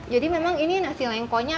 jadi memang ini nasi lengkonya